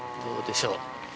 どうでしょう？